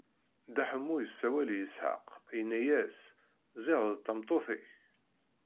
Dda Ḥemmu isawel i Isḥaq, inna-as: Ziɣ d tameṭṭut-ik!